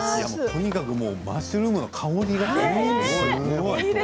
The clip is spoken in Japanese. とにかく、もうマッシュルームの香りがすごい。